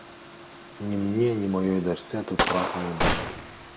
Ні мне, ні маёй дачцэ тут працы не будзе.